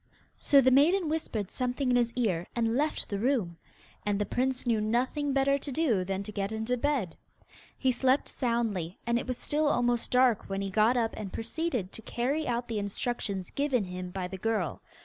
So the maiden whispered something in his ear, and left the room. And the prince knew nothing better to do than to get into bed. He slept soundly, and it was still almost dark when he got up and proceeded to carry out the instructions given him by the girl.